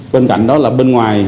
bên cạnh đó là bên ngoài